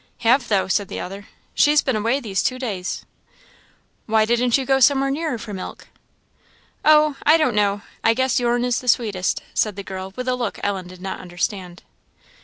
"Have, though," said the other; "she's been away these two days." "Why didn't you go somewhere nearer for milk?" "Oh! I don't know I guess your'n is the sweetest," said the girl, with a look Ellen did not understand.